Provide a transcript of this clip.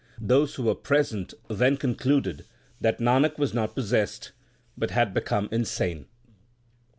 Those who were present then concluded that Nanak was not possessed, but had become insane.